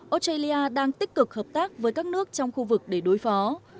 australia đang tích cực hợp tác với các nước trong khu vực để đối phó